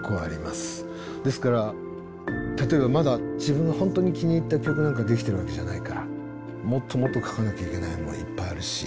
ですから例えばまだ自分が本当に気に入った曲なんかできてるわけじゃないからもっともっと書かなきゃいけないものはいっぱいあるし。